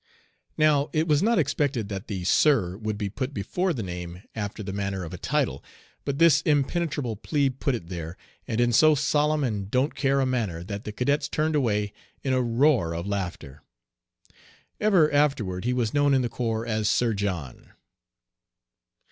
Now it was not expected that the "sir" would be put before the name after the manner of a title, but this impenetrable plebe put it there, and in so solemn and "don't care" a manner that the cadets turned away in a roar of laughter. Ever afterward he was known in the corps as "Sir John."